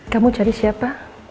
kamu cari siapa